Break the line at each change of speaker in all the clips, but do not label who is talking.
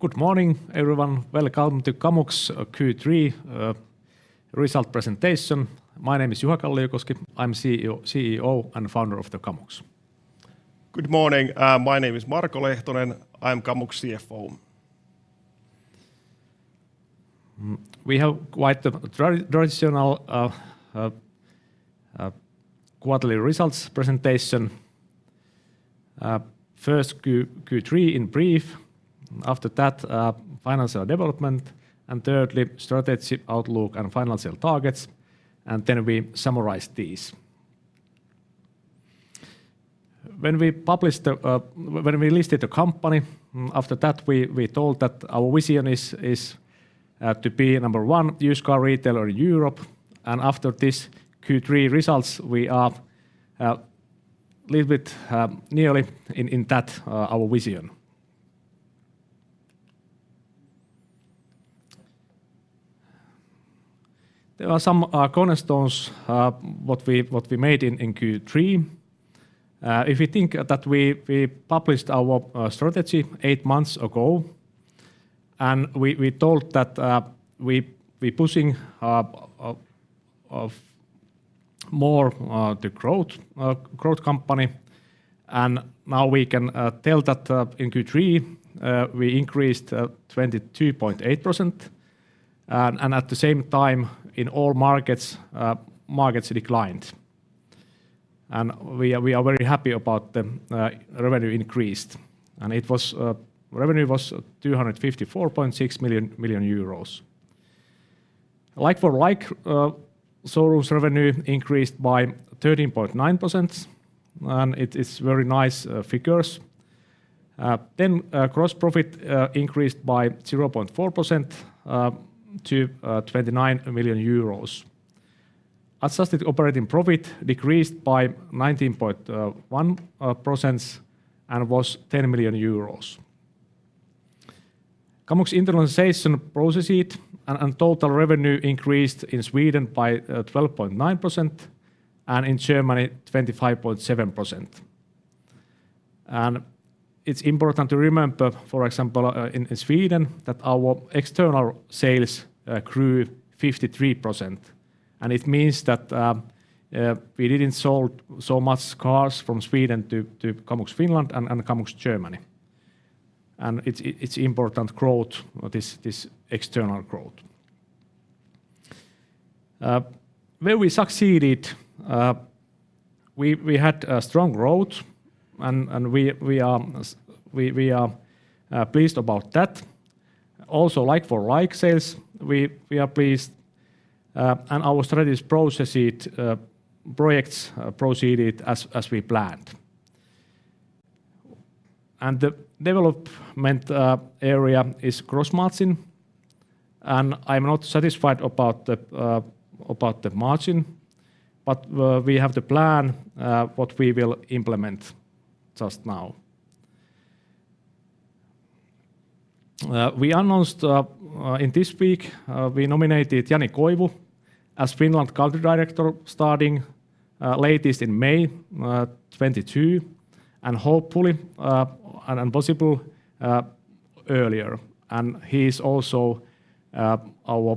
Good morning, everyone. Welcome to Kamux Q3 results presentation. My name is Juha Kalliokoski. I'm CEO and Founder of Kamux.
Good morning. My name is Marko Lehtonen. I'm Kamux CFO.
We have quite the traditional quarterly results presentation. First Q3 in brief. After that, financial development, and thirdly, strategic outlook and financial targets, and then we summarize these. When we published, when we listed the company, after that we told that our vision is to be number one used car retailer in Europe, and after this Q3 results we are little bit nearly in that our vision. There are some cornerstones what we made in Q3. If you think that we published our strategy eight months ago, and we told that we are pushing for more of a growth company, and now we can tell that in Q3 we increased 22.8% and at the same time in all markets declined. We are very happy about the revenue increased, and the revenue was 254.6 million euros. Like-for-like showroom revenue increased by 13.9%, and it is very nice figures. Gross profit increased by 0.4% to 29 million euros. Adjusted operating profit decreased by 19.1% and was EUR 10 million. Kamux internationalization proceeded, and total revenue increased in Sweden by 12.9% and in Germany 25.7%. It's important to remember, for example, in Sweden that our external sales grew 53%, and it means that we didn't sold so much cars from Sweden to Kamux Finland and Kamux Germany. It's important growth, this external growth. Where we succeeded, we had a strong growth and we are pleased about that. Also like-for-like sales, we are pleased. Our strategy proceeded, projects proceeded as we planned. The development area is gross margin, and I'm not satisfied about the margin, but we have the plan what we will implement just now. We announced this week we nominated Jani Koivu as Finland Country Director starting latest in May 2022, and hopefully possible earlier. He is also our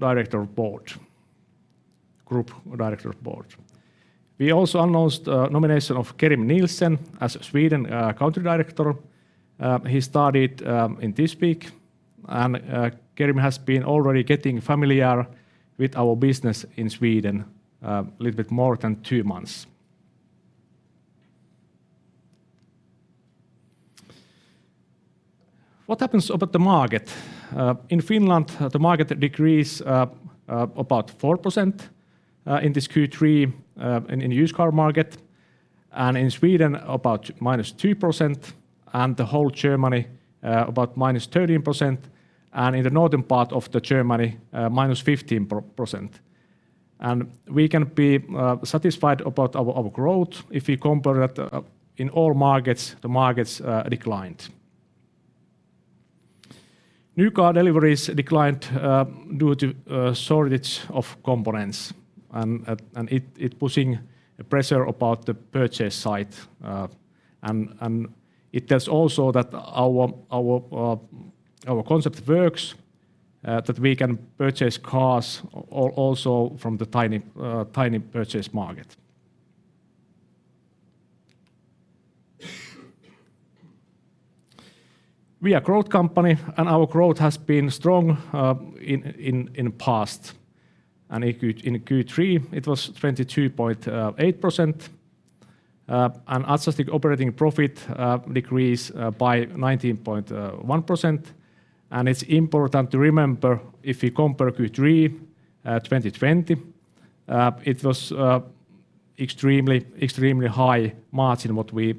director of board, group director of board. We also announced nomination of Kerim Nielsen as Sweden Country Director. He started this week, and Kerim has been already getting familiar with our business in Sweden little bit more than two months. What happens about the market? In Finland the market decrease about 4% in this Q3 in used car market, and in Sweden about -2% and the whole Germany about -13%, and in the northern part of Germany -15%. We can be satisfied about our growth if we compare that in all markets, the markets declined. New car deliveries declined due to shortage of components and it putting pressure about the purchase side. It tells also that our concept works that we can purchase cars also from the tiny purchase market. We are growth company, and our growth has been strong in past. In Q3 it was 22.8%, and adjusted operating profit decreased by 19.1%, and it's important to remember, if you compare Q3 2020, it was extremely high margin what we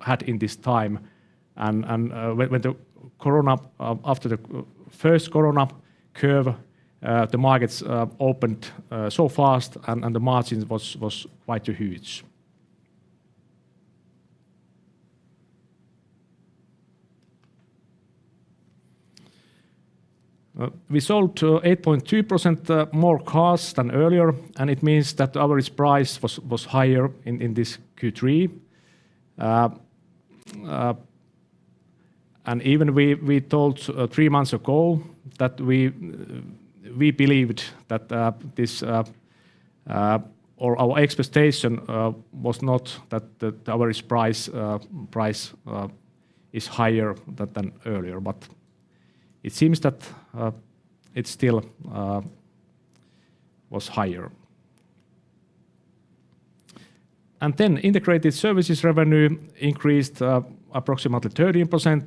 had in this time. When the corona after the first corona curve the markets opened so fast and the margin was quite huge. We sold 8.2% more cars than earlier, and it means that the average price was higher in this Q3. Even we told three months ago that we believed that or our expectation was not that the average price is higher than earlier, but it seems that it still was higher. Integrated services revenue increased approximately 13%,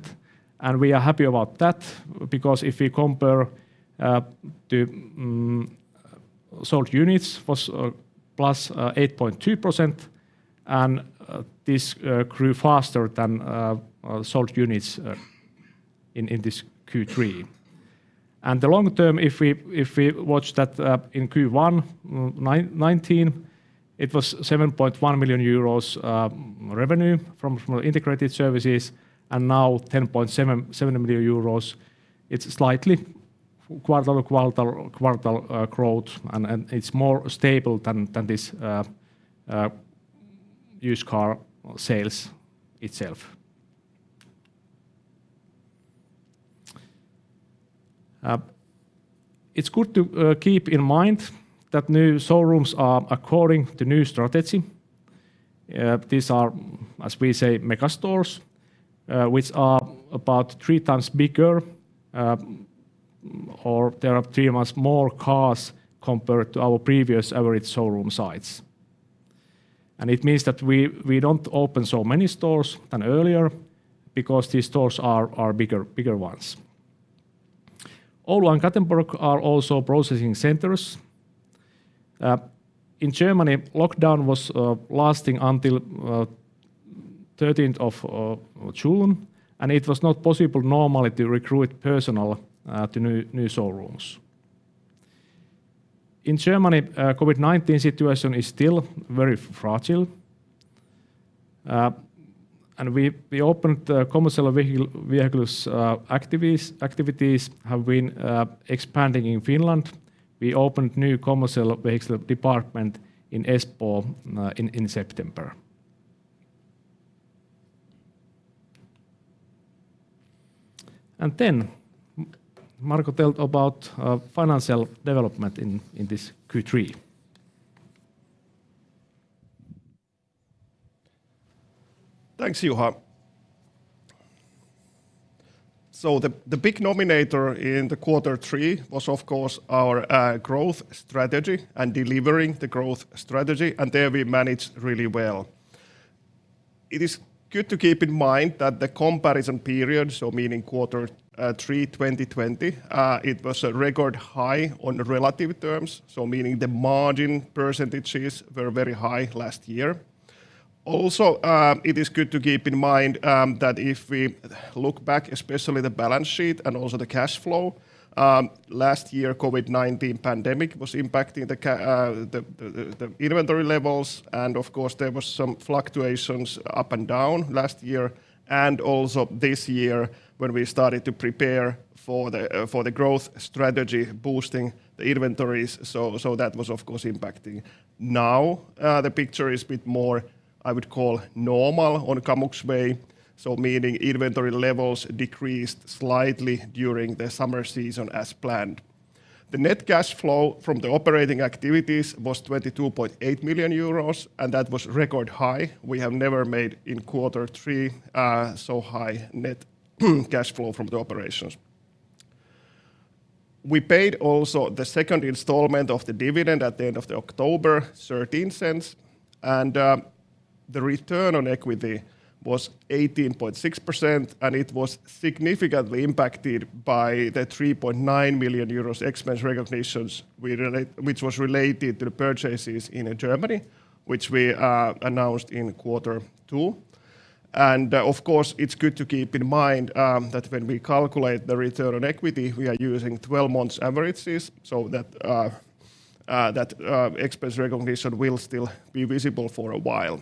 and we are happy about that because if we compare the sold units was +8.2%, and this grew faster than sold units in this Q3. In the long term, if we watch that, in Q1 2019, it was 7.1 million euros revenue from integrated services and now 10.7 million euros. It's slightly quarter-to-quarter growth, and it's more stable than this used car sales itself. It's good to keep in mind that new showrooms are according to new strategy. These are, as we say, mega store, which are about 3 times bigger, or there are 3 times more cars compared to our previous average showroom sites. It means that we don't open so many stores than earlier because these stores are bigger ones. Oulu and Gothenburg are also processing centers. In Germany, lockdown was lasting until 13th of June, and it was not possible normally to recruit personnel to new showrooms. In Germany, COVID-19 situation is still very fragile, and Commercial Vehicles activities have been expanding in Finland. We opened new Commercial Vehicle department in Espoo in September. Then Marko told about financial development in this Q3.
Thanks, Juha. The big numerator in quarter 3 was of course our growth strategy and delivering the growth strategy, and there we managed really well. It is good to keep in mind that the comparison period, so meaning quarter 3 2020, it was a record high on relative terms, so meaning the margin percentages were very high last year. Also, it is good to keep in mind that if we look back, especially the balance sheet and also the cash flow, last year COVID-19 pandemic was impacting the inventory levels and of course there was some fluctuations up and down last year and also this year when we started to prepare for the growth strategy boosting the inventories. That was of course impacting. Now, the picture is a bit more, I would call, normal on Kamux way, so meaning inventory levels decreased slightly during the summer season as planned. The net cash flow from the operating activities was 22.8 million euros, and that was record high. We have never made in quarter three so high net cash flow from the operations. We paid also the second installment of the dividend at the end of October, 0.13, and the return on equity was 18.6%, and it was significantly impacted by the 3.9 million euros expense recognitions which was related to the purchases in Germany, which we announced in quarter two. Of course, it's good to keep in mind that when we calculate the return on equity, we are using 12-month averages, so that expense recognition will still be visible for a while.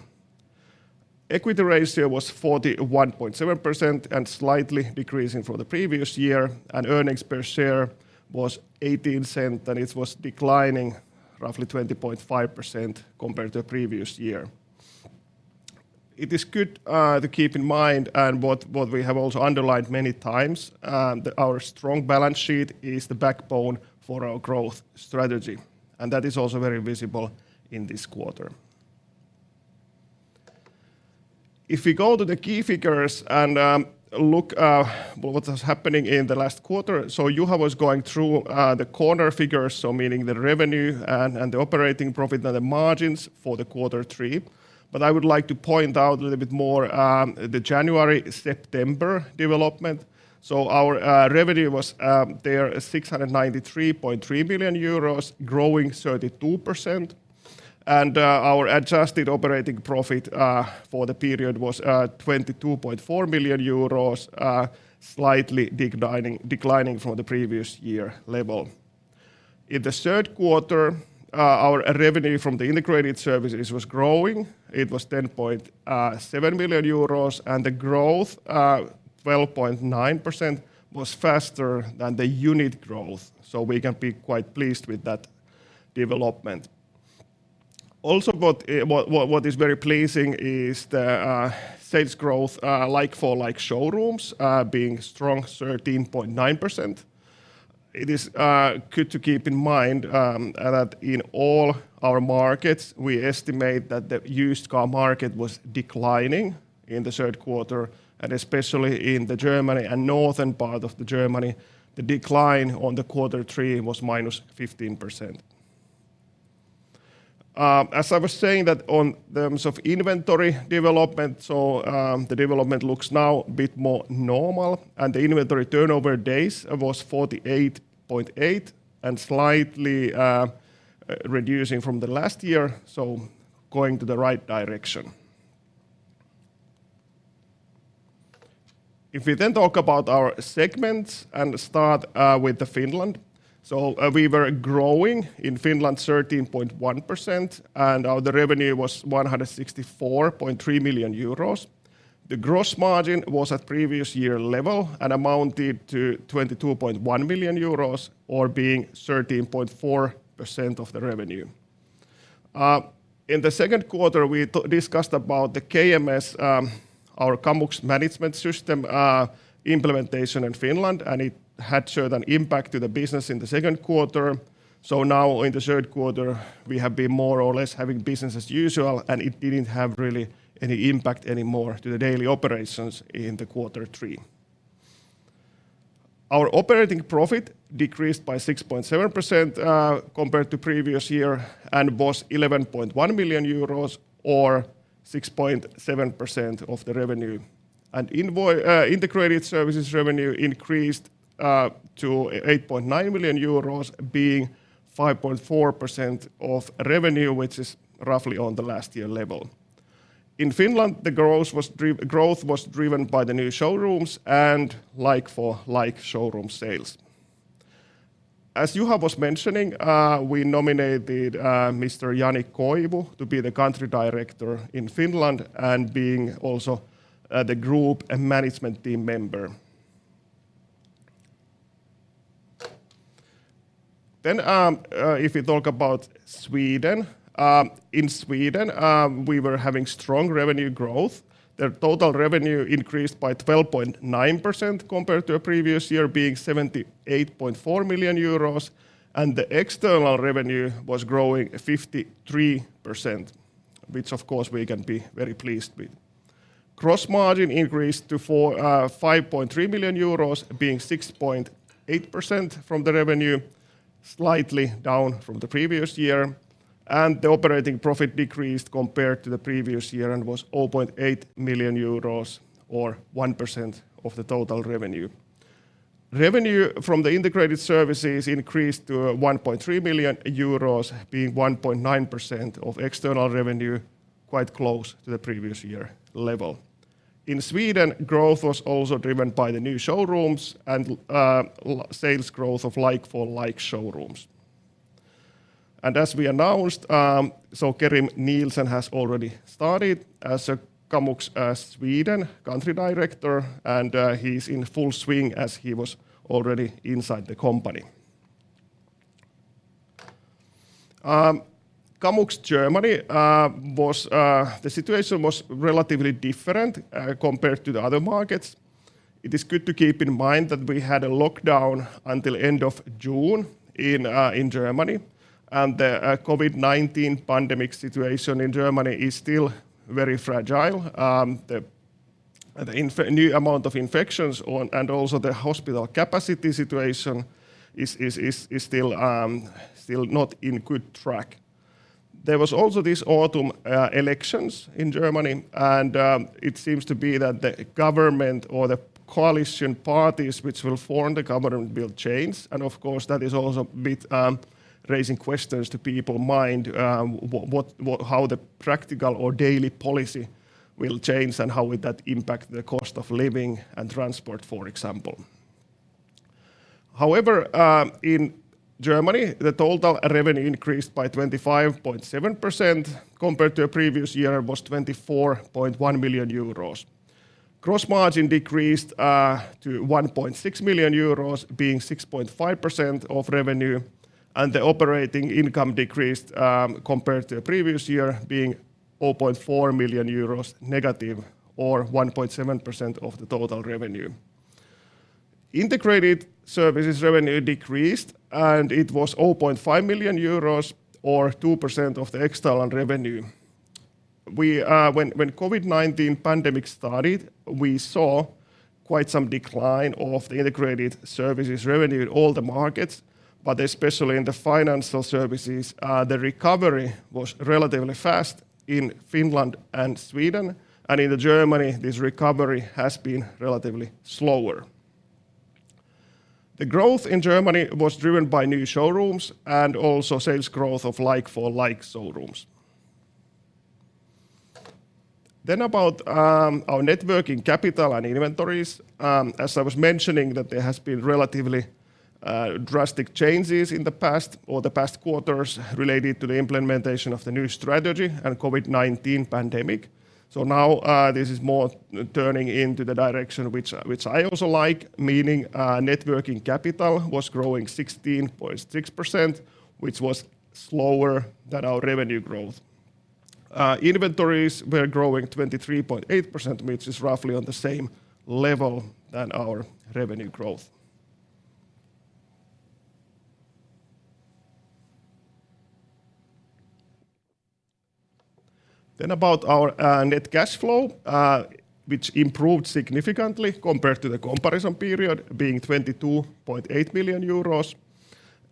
Equity ratio was 41.7% and slightly decreasing from the previous year, and earnings per share was 0.18 EUR, and it was declining roughly 20.5% compared to the previous year. It is good to keep in mind, and what we have also underlined many times, that our strong balance sheet is the backbone for our growth strategy, and that is also very visible in this quarter. If we go to the key figures and look what was happening in the last quarter. Juha was going through the quarter figures, so meaning the revenue and the operating profit and the margins for quarter three. I would like to point out a little bit more the January-September development. Our revenue was 693.3 million euros, growing 32%. Our adjusted operating profit for the period was 22.4 million euros, slightly declining from the previous year level. In the third quarter, our revenue from the integrated services was growing. It was 10.7 million euros and the growth 12.9% was faster than the unit growth, so we can be quite pleased with that development. Also what is very pleasing is the sales growth like-for-like showrooms being strong 13.9%. It is good to keep in mind that in all our markets, we estimate that the used car market was declining in the third quarter and especially in Germany and the northern part of Germany, the decline in quarter three was -15%. As I was saying, in terms of inventory development, the development looks now a bit more normal and the inventory turnover days was 48.8 and slightly reducing from last year, going to the right direction. If we then talk about our segments and start with Finland, we were growing in Finland 13.1%, and the revenue was 164.3 million euros. The gross margin was at previous year level and amounted to 22.1 million euros or being 13.4% of the revenue. In the second quarter, we discussed about the KMS, our Kamux Management System, implementation in Finland, and it had certain impact to the business in the second quarter. Now in the third quarter, we have been more or less having business as usual, and it didn't have really any impact anymore to the daily operations in quarter three. Our operating profit decreased by 6.7%, compared to previous year and was 11.1 million euros or 6.7% of the revenue. Integrated services revenue increased to 8.9 million euros being 5.4% of revenue which is roughly on the last year level. In Finland, growth was driven by the new showrooms and like-for-like showroom sales. As Juha was mentioning, we nominated Mr. Jani Koivu to be the Country Director in Finland and being also the group and management team member. If you talk about Sweden, in Sweden, we were having strong revenue growth. The total revenue increased by 12.9% compared to our previous year being 78.4 million euros, and the external revenue was growing 53%, which of course we can be very pleased with. Gross margin increased to 5.3 million euros being 6.8% from the revenue, slightly down from the previous year, and the operating profit decreased compared to the previous year and was 0.8 million euros or 1% of the total revenue. Revenue from the integrated services increased to 1.3 million euros, being 1.9% of external revenue, quite close to the previous year level. In Sweden, growth was also driven by the new showrooms and sales growth of like-for-like showrooms. As we announced, Kerim Nielsen has already started as a Kamux Sweden Country Director and he's in full swing as he was already inside the company. In Kamux Germany, the situation was relatively different compared to the other markets. It is good to keep in mind that we had a lockdown until end of June in Germany, and the COVID-19 pandemic situation in Germany is still very fragile. The new amount of infections and also the hospital capacity situation is still not on good track. There was also this autumn elections in Germany and it seems to be that the government or the coalition parties which will form the government will change, and of course, that is also a bit raising questions in people's minds how the practical or daily policy will change and how will that impact the cost of living and transport, for example. However, in Germany, the total revenue increased by 25.7% compared to our previous year, which was 24.1 million euros. Gross margin decreased to 1.6 million euros being 6.5% of revenue, and the operating income decreased compared to our previous year being negative 0.4 million euros or 1.7% of the total revenue. Integrated services revenue decreased, and it was 0.5 million euros or 2% of the external revenue. We, when COVID-19 pandemic started, we saw quite some decline of the integrated services revenue in all the markets, but especially in the financial services, the recovery was relatively fast in Finland and Sweden, and in Germany, this recovery has been relatively slower. The growth in Germany was driven by new showrooms and also sales growth of like-for-like showrooms. About our net working capital and inventories, as I was mentioning that there has been relatively drastic changes in the past or the past quarters related to the implementation of the new strategy and COVID-19 pandemic. Now this is more turning into the direction which I also like, meaning net working capital was growing 16.6%, which was slower than our revenue growth. Inventories were growing 23.8%, which is roughly on the same level than our revenue growth. About our net cash flow, which improved significantly compared to the comparison period being 22.8 million euros.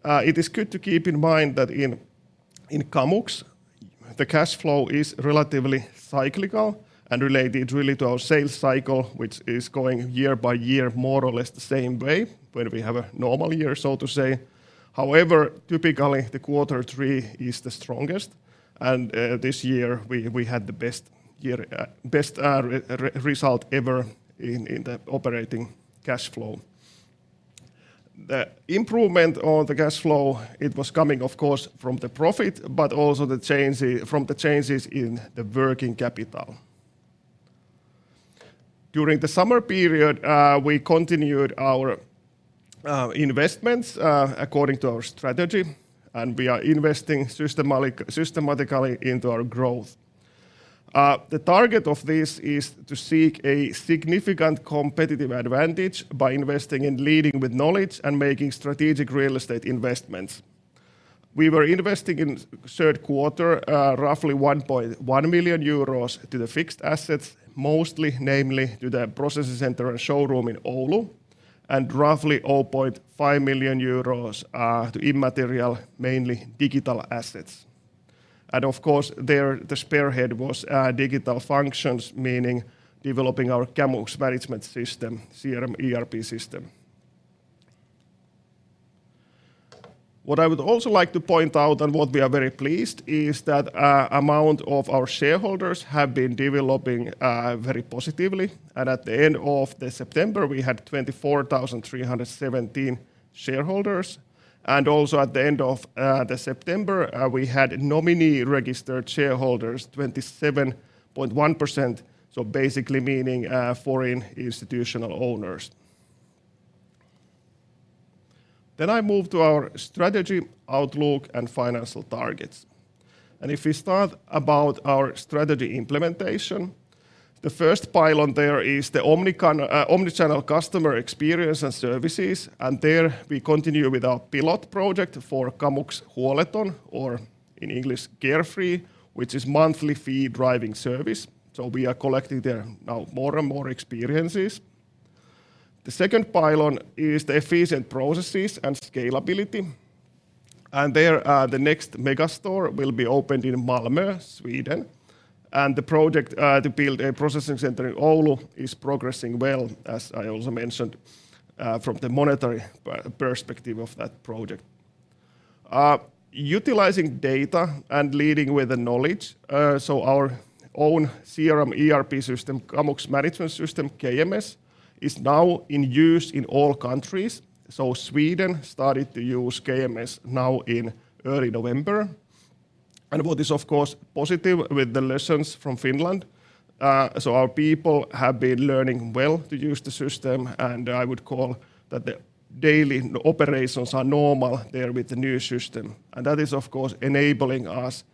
It is good to keep in mind that in Kamux, the cash flow is relatively cyclical and related really to our sales cycle, which is going year by year more or less the same way when we have a normal year, so to say. However, typically the quarter three is the strongest, and this year we had the best result ever in the operating cash flow. The improvement on the cash flow, it was coming of course from the profit, but also from the changes in the working capital. During the summer period, we continued our investments according to our strategy, and we are investing systematically into our growth. The target of this is to seek a significant competitive advantage by investing in leading with knowledge and making strategic real estate investments. We were investing in third quarter, roughly 1.1 million euros to the fixed assets, mostly namely to the processing center and showroom in Oulu, and roughly 0.5 million euros to intangible, mainly digital assets. Of course, there the spearhead was digital functions, meaning developing our Kamux Management System, CRM, ERP system. What I would also like to point out and what we are very pleased is that number of our shareholders have been developing very positively. At the end of September, we had 24,317 shareholders. Also at the end of September, we had nominee registered shareholders, 27.1%, so basically meaning foreign institutional owners. I move to our strategy outlook and financial targets. If we start about our strategy implementation, the first pylon there is the omnichannel customer experience and services, and there we continue with our pilot project for Kamux Huoleton, or in English, Carefree, which is monthly fee driving service. We are collecting there now more and more experiences. The second pylon is the efficient processes and scalability, and there, the next mega store will be opened in Malmö, Sweden, and the project to build a processing center in Oulu is progressing well, as I also mentioned, from the monetary perspective of that project. Utilizing data and leading with the knowledge, our own CRM, ERP system, Kamux Management System, KMS, is now in use in all countries. Sweden started to use KMS now in early November. What is of course positive with the lessons from Finland, our people have been learning well to use the system, and I would call that the daily operations are normal there with the new system. That is of course enabling us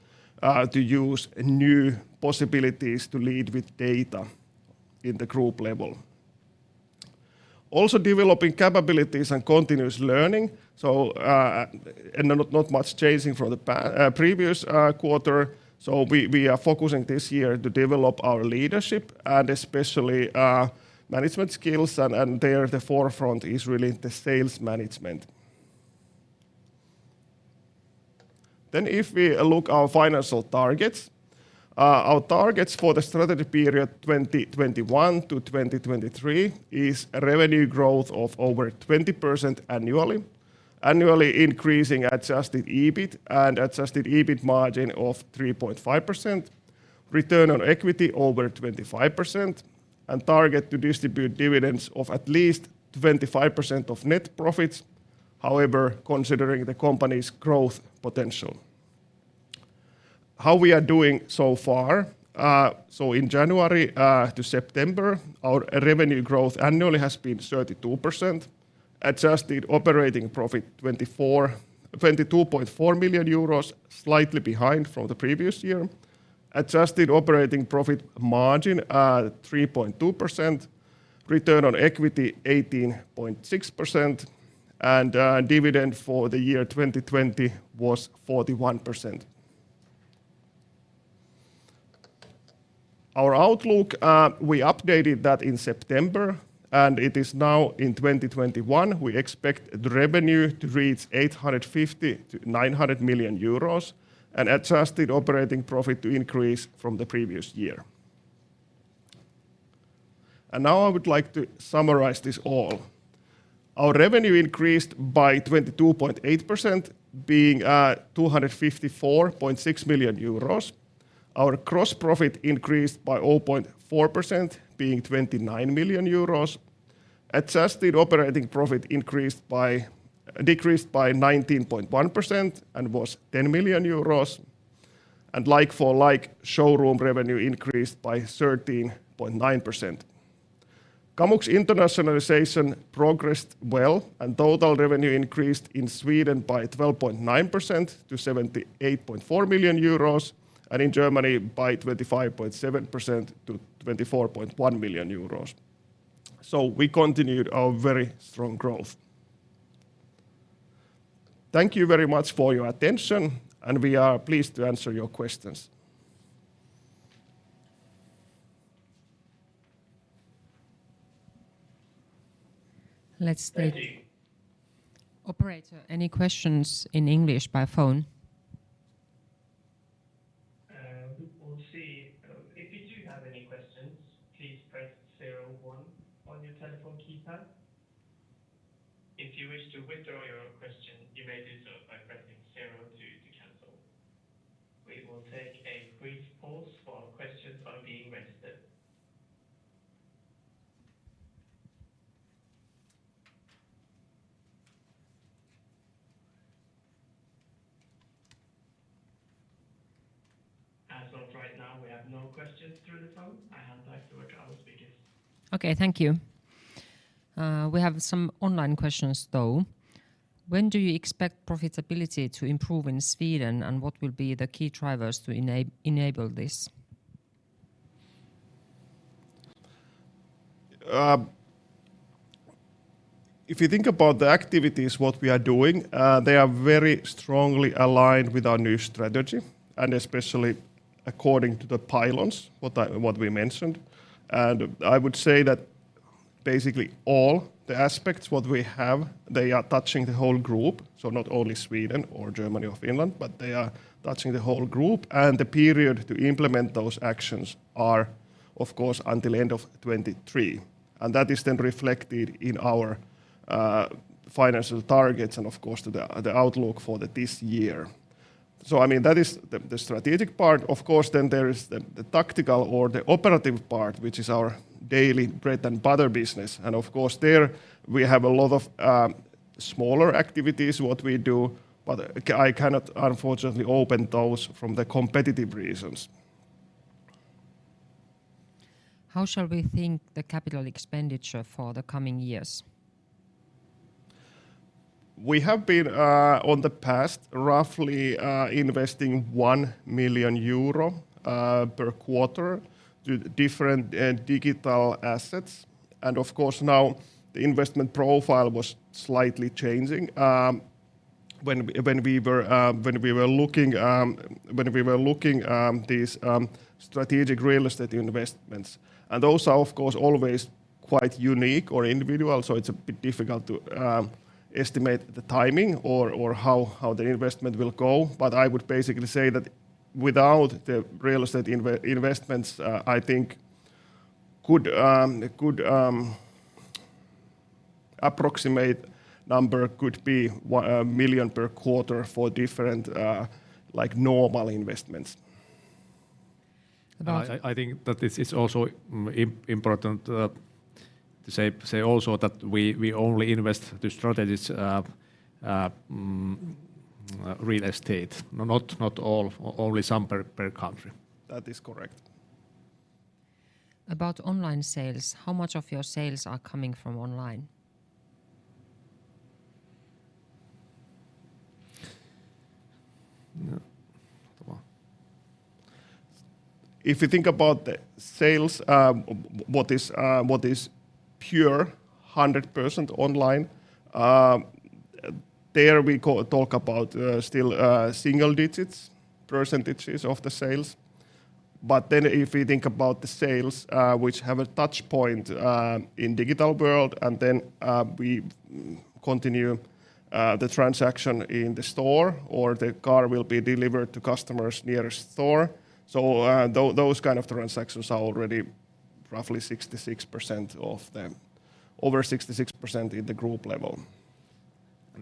to use new possibilities to lead with data in the group level. Also developing capabilities and continuous learning, and not much changing from the previous quarter. We are focusing this year to develop our leadership and especially management skills and there the forefront is really the sales management. If we look at our financial targets, our targets for the strategy period 2021 to 2023 is a revenue growth of over 20% annually, increasing adjusted EBIT and adjusted EBIT margin of 3.5%, return on equity over 25%, and target to distribute dividends of at least 25% of net profits, however, considering the company's growth potential. How are we doing so far? In January to September, our revenue growth annually has been 32%, adjusted operating profit 22.4 million euros, slightly behind from the previous year. Adjusted operating profit margin 3.2%, return on equity 18.6%, and dividend for the year 2020 was 41%. Our outlook, we updated that in September, and it is now in 2021, we expect the revenue to reach 850 million-900 million euros and adjusted operating profit to increase from the previous year. Now I would like to summarize this all. Our revenue increased by 22.8%, being 254.6 million euros. Our gross profit increased by 0.4%, being 29 million euros. Adjusted operating profit decreased by 19.1% and was 10 million euros. Like-for-like showroom revenue increased by 13.9%. Kamux internationalization progressed well, and total revenue increased in Sweden by 12.9% to 78.4 million euros, and in Germany by 25.7% to 24.1 million euros. We continued our very strong growth. Thank you very much for your attention, and we are pleased to answer your questions.
Let's take-
Ready
Operator, any questions in English by phone?
Uh, we will see. If you do have any questions, please press zero-one on your telephone keypad. If you wish to withdraw your question, you may do so by pressing zero-two to cancel. We will take a brief pause while questions are being registered. As of right now, we have no questions through the phone. I hand back to our travel speakers.
Okay, thank you. We have some online questions, though. When do you expect profitability to improve in Sweden, and what will be the key drivers to enable this?
If you think about the activities, what we are doing, they are very strongly aligned with our new strategy, and especially according to the pillars, what we mentioned. I would say that basically all the aspects, what we have, they are touching the whole group, so not only Sweden or Germany or Finland, but they are touching the whole group. The period to implement those actions are, of course, until end of 2023. That is then reflected in our financial targets and of course the outlook for this year. I mean, that is the strategic part. Of course, then there is the tactical or the operative part, which is our daily bread-and-butter business. Of course, there we have a lot of smaller activities that we do, but I cannot unfortunately open those for competitive reasons.
How shall we think the capital expenditure for the coming years?
We have been in the past roughly investing 1 million euro per quarter in different digital assets. Of course, now the investment profile was slightly changing when we were looking at these strategic real estate investments. Those are, of course, always quite unique or individual, so it's a bit difficult to estimate the timing or how the investment will go. I would basically say that without the real estate investments, I think the approximate number could be 1 million per quarter for different like normal investments.
About-
I think that it's also important to say also that we only invest in strategic real estate, not all, only some per country.
That is correct.
About online sales, how much of your sales are coming from online?
Yeah. If you think about the sales, what is pure 100% online, there we can talk about still single digits percentages of the sales. Then if you think about the sales which have a touchpoint in digital world and then we continue the transaction in the store or the car will be delivered to customers near a store. Those kind of transactions are already roughly 66% of them, over 66% in the group level.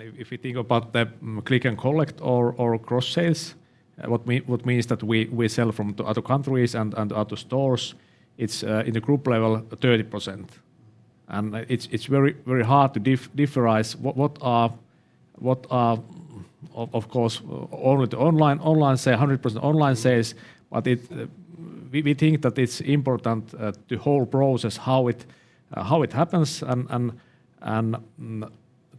If you think about the click-and-collect or cross-sales, what that means is that we sell from to other countries and other stores, it's in the group level 30%. It's very hard to differentiate what are, of course, only the online sale, 100% online sales. We think that it's important, the whole process, how it happens and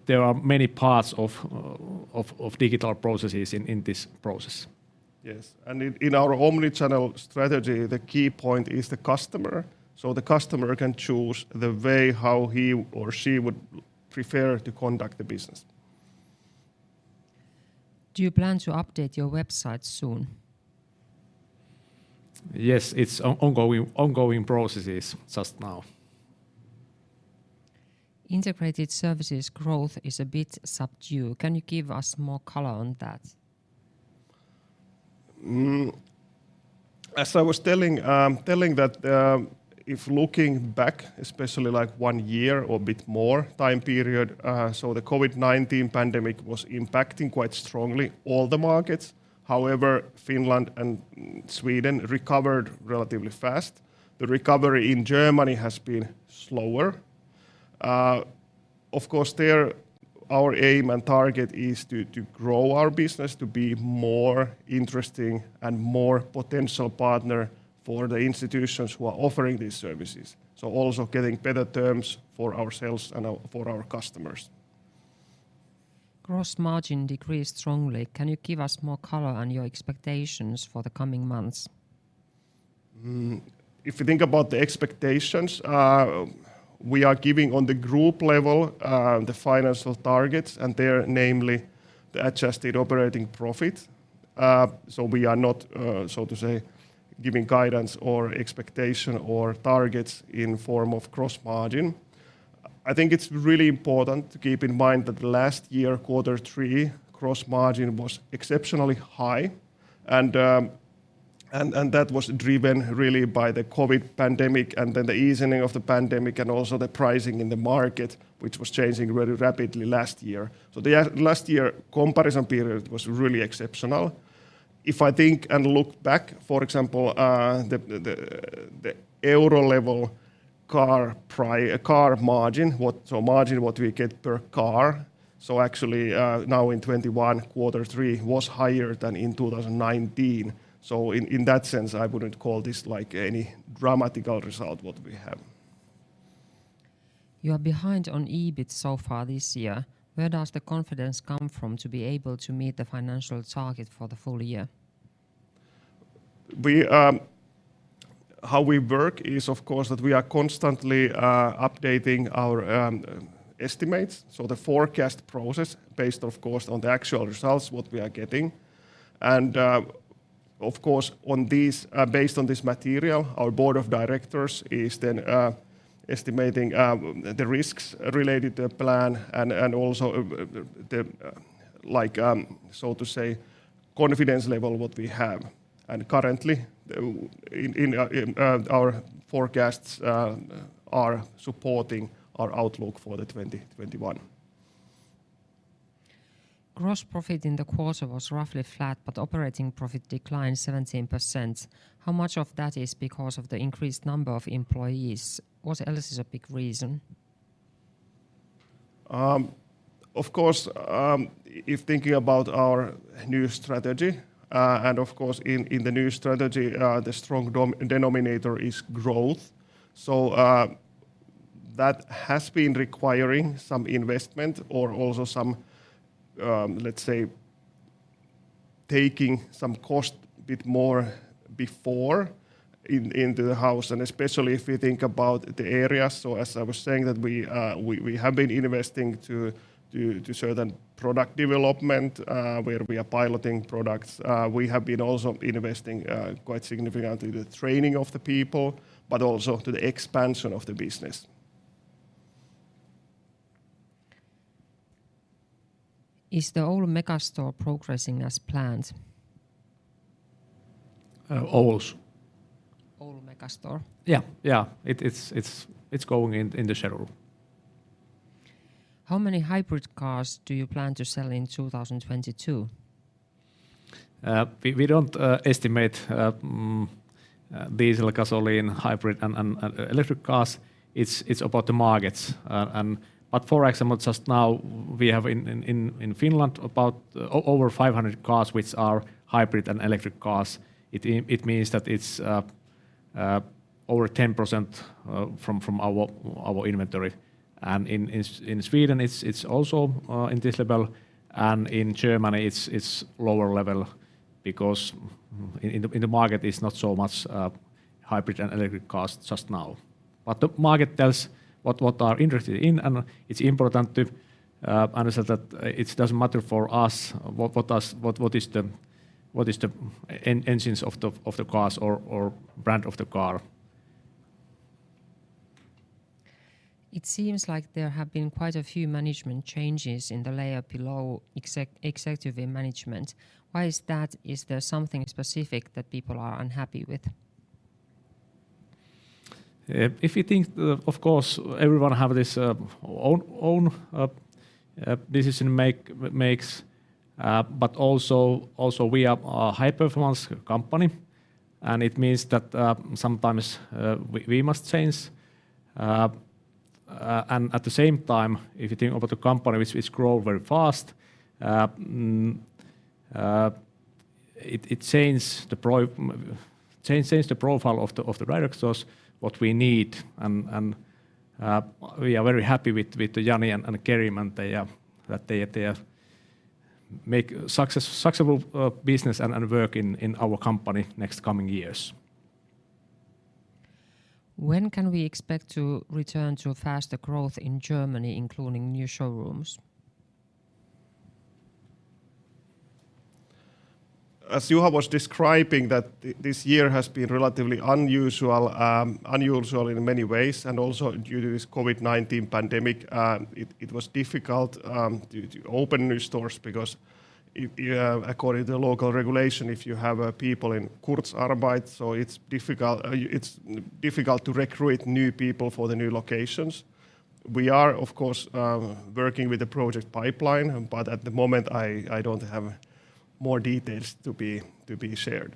there are many parts of digital processes in this process.
Yes. In our omnichannel strategy, the key point is the customer. The customer can choose the way how he or she would prefer to conduct the business.
Do you plan to update your website soon?
Yes, it's ongoing processes just now.
Integrated services growth is a bit subdued. Can you give us more color on that?
As I was telling that if looking back, especially like one year or a bit more time period, the COVID-19 pandemic was impacting quite strongly all the markets. However, Finland and Sweden recovered relatively fast. The recovery in Germany has been slower. Of course, there our aim and target is to grow our business, to be more interesting and more potential partner for the institutions who are offering these services, also getting better terms for ourselves and our customers.
Gross margin decreased strongly. Can you give us more color on your expectations for the coming months?
If you think about the expectations, we are giving on the group level, the financial targets, and they're namely the adjusted operating profit. We are not so to say giving guidance or expectation or targets in form of gross margin. I think it's really important to keep in mind that the last year quarter three gross margin was exceptionally high, and that was driven really by the COVID-19 pandemic and then the easing of the pandemic and also the pricing in the market, which was changing very rapidly last year. The last year comparison period was really exceptional. If I think and look back, for example, the EUR-level car margin, what... Margin what we get per car, actually, now in 2021, quarter three was higher than in 2019, so in that sense, I wouldn't call this, like, any dramatic result what we have.
You are behind on EBIT so far this year. Where does the confidence come from to be able to meet the financial target for the full year?
How we work is, of course, that we are constantly updating our estimates, so the forecast process based, of course, on the actual results what we are getting. Of course, on these, based on this material, our board of directors is then estimating the risks related to the plan and also the like so to say confidence level what we have. Currently, in our forecasts are supporting our outlook for 2021.
Gross profit in the quarter was roughly flat, but operating profit declined 17%. How much of that is because of the increased number of employees? What else is a big reason?
Of course, if thinking about our new strategy, and of course in the new strategy, the strong denominator is growth. That has been requiring some investment or also some, let's say, taking some cost a bit more before in the house and especially if you think about the areas. As I was saying, we have been investing to certain product development, where we are piloting products. We have been also investing quite significantly the training of the people but also to the expansion of the business.
Is the Oulu mega store progressing as planned?
Oulu's?
Oulu Megastore.
Yeah, yeah. It's going in the schedule.
How many hybrid cars do you plan to sell in 2022?
We don't estimate diesel, gasoline, hybrid, and electric cars. It's about the markets. For example, just now we have in Finland over 500 cars which are hybrid and electric cars. It means that it's over 10% from our inventory. In Sweden it's also in this level, and in Germany it's lower level because in the market it's not so much hybrid and electric cars just now. The market tells what are interested in, and it's important to understand that it doesn't matter for us what is the engines of the cars or brand of the car.
It seems like there have been quite a few management changes in the layer below executive management. Why is that? Is there something specific that people are unhappy with?
If you think, of course everyone have this own decision makes, but also we are a high-performance company, and it means that sometimes we must change. At the same time, if you think about the company which grow very fast, it change the profile of the directors that we need, and we are very happy with Jani and Kerim, and that they make successful business and work in our company next coming years.
When can we expect to return to faster growth in Germany, including new showrooms?
As Juha was describing that this year has been relatively unusual in many ways, and also due to this COVID-19 pandemic, it was difficult to open new stores because, according to local regulation, if you have people in Kurzarbeit, so it's difficult to recruit new people for the new locations. We are of course working with the project pipeline, but at the moment, I don't have more details to be shared.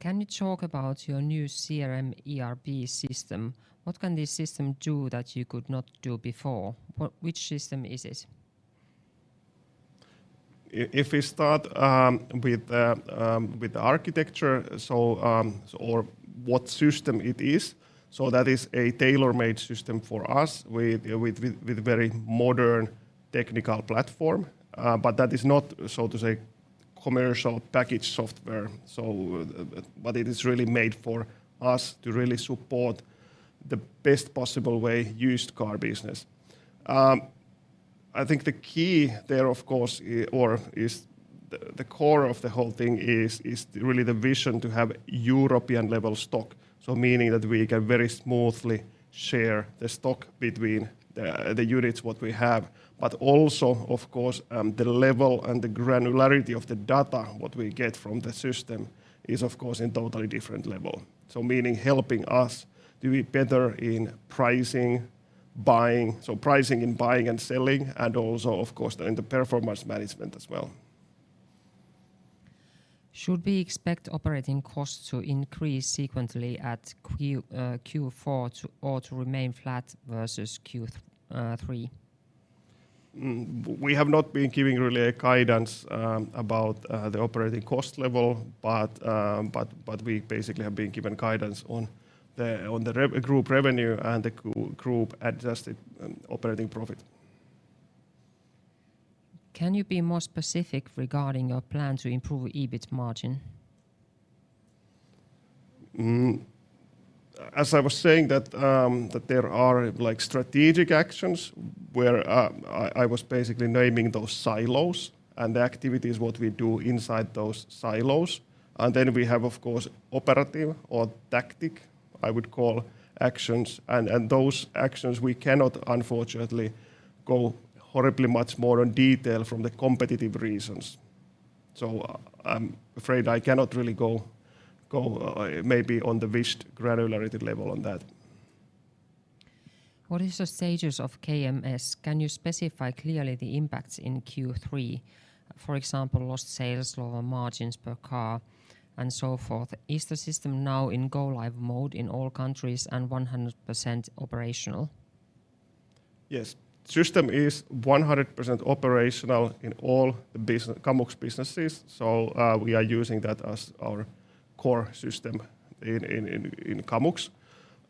Can you talk about your new CRM ERP system? What can this system do that you could not do before? Which system is it?
If we start with the architecture or what system it is, that is a tailor-made system for us with a very modern technical platform. That is not, so to say, commercial package software. It is really made for us to really support the used car business in the best possible way. I think the key there, of course, is the core of the whole thing. It is really the vision to have European-level stock, meaning that we can very smoothly share the stock between the units that we have. Also, of course, the level and the granularity of the data that we get from the system is, of course, at a totally different level, meaning helping us to be better in pricing, buying. Pricing and buying and selling and also of course in the performance management as well.
Should we expect operating costs to increase sequentially at Q4 or to remain flat versus Q3?
We have not been giving really any guidance about the operating cost level, but we basically have been giving guidance on the Group revenue and the Group adjusted operating profit.
Can you be more specific regarding your plan to improve EBIT margin?
As I was saying that there are, like, strategic actions where I was basically naming those silos and the activities what we do inside those silos, and then we have of course operative or tactic, I would call, actions and those actions we cannot unfortunately go into much more in detail for competitive reasons. I'm afraid I cannot really go maybe on the wished granularity level on that.
What is the status of KMS? Can you specify clearly the impacts in Q3, for example, lost sales, lower margins per car and so forth? Is the system now in go live mode in all countries and 100% operational?
Yes. System is 100% operational in all the Kamux businesses, so we are using that as our core system in Kamux.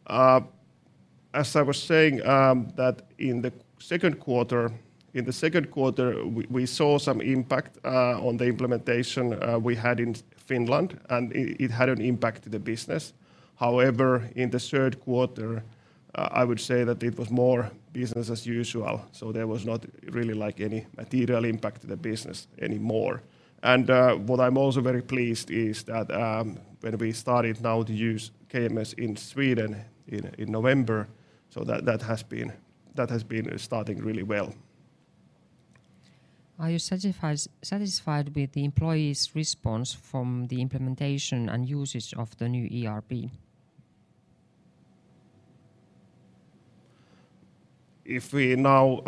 As I was saying, that in the second quarter we saw some impact on the implementation we had in Finland, and it had an impact to the business. However, in the third quarter I would say that it was more business as usual, so there was not really, like, any material impact to the business anymore. What I'm also very pleased is that when we started now to use KMS in Sweden in November, so that has been starting really well.
Are you satisfied with the employees' response from the implementation and usage of the new ERP?
If we now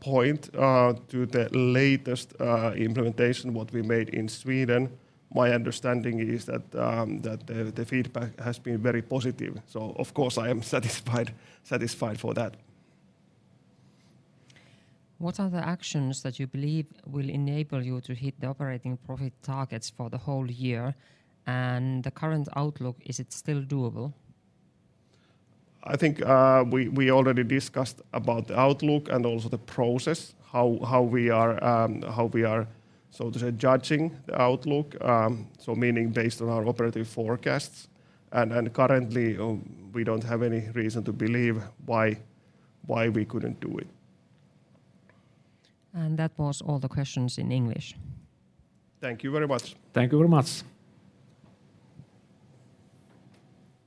point to the latest implementation that we made in Sweden, my understanding is that the feedback has been very positive, so of course I am satisfied for that.
What are the actions that you believe will enable you to hit the operating profit targets for the whole year? The current outlook, is it still doable?
I think we already discussed about the outlook and also the process, how we are, so to say, judging the outlook, so meaning based on our operative forecasts. Currently, we don't have any reason to believe why we couldn't do it.
That was all the questions in English.
Thank you very much.
Thank you very much.